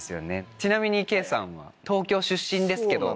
ちなみに圭さんは東京出身ですけど。